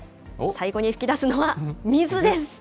最後に噴き出すのは、水です。